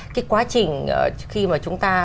cái quá trình khi mà chúng ta